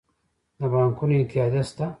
د بانکونو اتحادیه شته؟